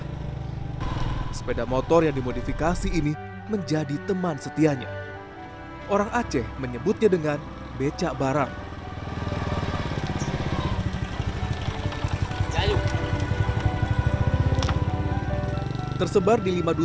anda bisa mendapat peluang dari nomor empati dan sosial perusahaan dari lokasi product service dari roku serba mahir di wilayah mana